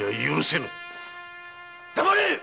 黙れ！